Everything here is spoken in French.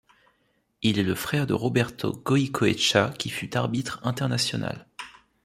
Il est le frère de Roberto Goicoechea, qui fut arbitre international.